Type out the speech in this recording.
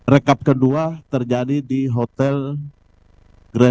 rekap kedua terjadi di hotel grand